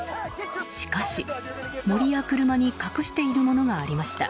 しかし、森や車に隠しているものがありました。